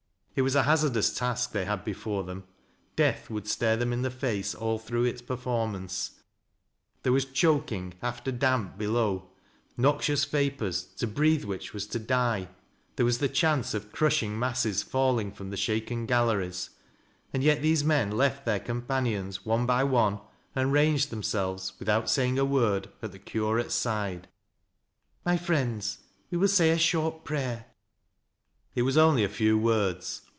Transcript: It was a hazardous task they had before them. Death would stare them in the face all through its performance. There was choking after damp below, noxious vapors, to breathe which was to die ; there was the chance of crushing masses falling from the shaken galleries — ajid yet these men left their companions one by one and ranged themselves, without saying a word, at the curate's side. "My friends," said Grace, baring his head, and raia ing a feminine hand. " My friends, we will »ay a short inayer," 230 THAT LABS O LO WRIST 8. It was only a few words.